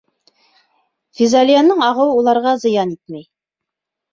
Физалияның ағыуы уларға зыян итмәй.